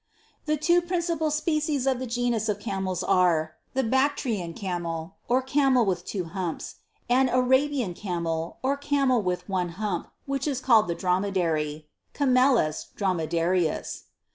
16. The two principal species of the genus of camels are; the Bactrian Camel, or Camel with two humps, and Arabian Camel, or Camel with one hump, which is called the Dromedary, Came lus Dromedarhis.